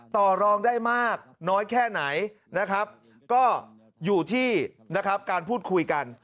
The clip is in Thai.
ต่อรองได้มากน้อยแค่ไหนนะครับก็อยู่ที่นะครับการพูดคุยกัน